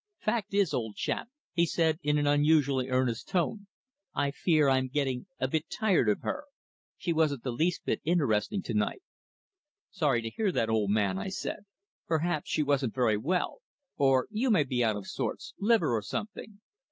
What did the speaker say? "Fact is, old chap," he said in an unusually earnest tone, "I fear I'm getting a bit tired of her. She wasn't the least bit interesting to night." "Sorry to hear that, old man," I said. "Perhaps she wasn't very well or you may be out of sorts liver, or something.